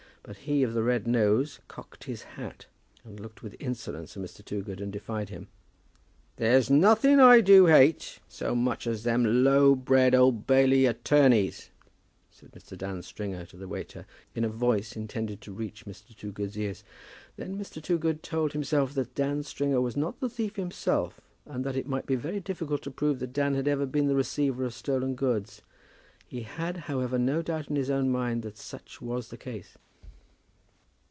But he of the red nose cocked his hat, and looked with insolence at Mr. Toogood, and defied him. "There's nothing I do hate so much as them low bred Old Bailey attorneys," said Mr. Dan Stringer to the waiter, in a voice intended to reach Mr. Toogood's ears. Then Mr. Toogood told himself that Dan Stringer was not the thief himself, and that it might be very difficult to prove that Dan had even been the receiver of stolen goods. He had, however, no doubt in his own mind but that such was the case.